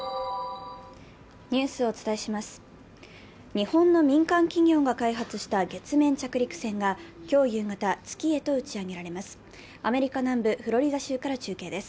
日本の民間企業が開発した月面着陸船が今日夕方、月へと打ち上げられます